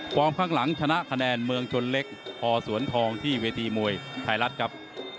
ข้างหลังชนะคะแนนเมืองชนเล็กพอสวนทองที่เวทีมวยไทยรัฐครับ